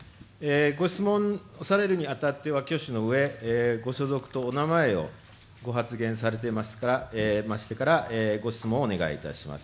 ご質問されるに当たっては挙手のうえ、ご所属とお名前をご発言されましてからご質問をお願いいたします。